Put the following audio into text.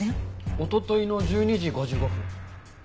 一昨日の１２時５５分。